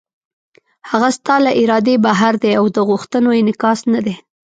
هغه ستا له ارادې بهر دی او د غوښتنو انعکاس نه دی.